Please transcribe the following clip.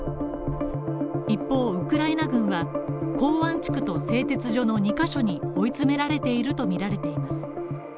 一方、ウクライナ軍は港湾地区と製鉄所の２カ所に追い詰められているとみられています。